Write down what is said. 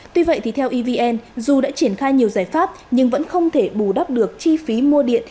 tuy vậy thì theo evn dù đã triển khai nhiều giải pháp nhưng vẫn không thể bù đắp được chi phí mua điện